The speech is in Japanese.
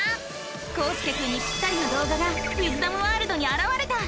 こうすけくんにぴったりの動画がウィズダムワールドにあらわれた！